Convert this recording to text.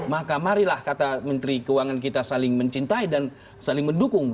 maka marilah kata menteri keuangan kita saling mencintai dan saling mendukung